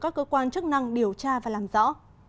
các cơ quan chức năng điều tra và làm rõ